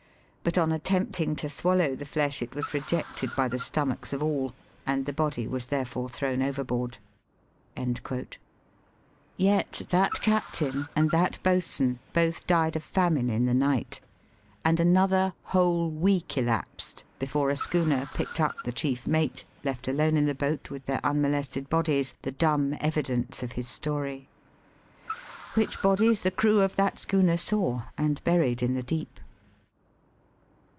But, on attempting to swallo .v the flesh, it was rejected by the stomachs of all, and the body was therefore thrown overboard." Yet that captain, and that boatswain both died of famine in the night, ami another whole week elapsed be fore a schooner picked up the chief mate, left alone in the boat with their unmolested bodies, the dumb evidence of his story. Which bodies the crew of that schooner saw, and buried in the deep.